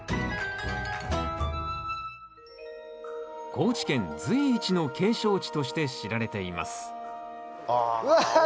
高知県随一の景勝地として知られていますあ。